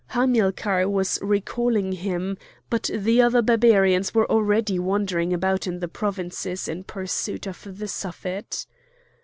Hamilcar was recalling him, but the other Barbarians were already wandering about in the provinces in pursuit of the Suffet.